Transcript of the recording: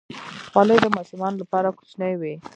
خولۍ د ماشومانو لپاره کوچنۍ وي.